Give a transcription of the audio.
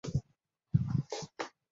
他曾经是英国体操国家队的成员。